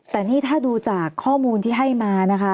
แต่นี่ถ้าดูจากข้อมูลที่ให้มานะคะ